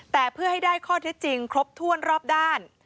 แต่เพื่อให้ได้ข้อเท็จจริงครบถ้วนรอบด้าน